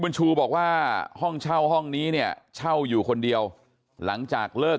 ชูบอกว่าห้องเช่าห้องนี้เนี่ยเช่าอยู่คนเดียวหลังจากเลิก